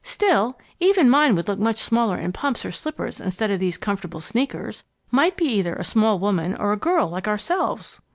"Still, even mine would look much smaller in pumps or slippers instead of these comfortable sneakers. Might be either a small woman or a girl like ourselves."